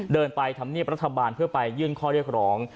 เดินไปทำเนียบรัฐบาลเพื่อไปยื่นข้อเรียกร้อง